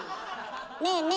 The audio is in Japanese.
ねえねえ